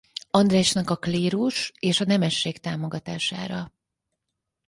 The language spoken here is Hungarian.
Andrásnak a klérus és a nemesség támogatására.